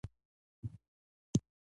دا له سیند سره نږدې د روغتونونو نومونه ول.